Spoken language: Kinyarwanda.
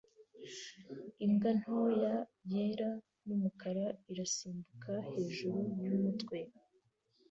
Imbwa ntoya yera numukara irasimbuka hejuru yumutwe